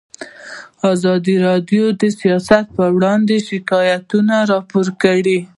ازادي راډیو د سیاست اړوند شکایتونه راپور کړي.